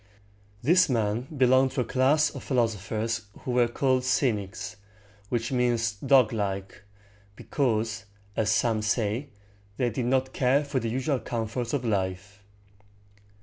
This man belonged to a class of philosophers who were called "cynics," which means "doglike," because, as some say, they did not care for the usual comforts of life.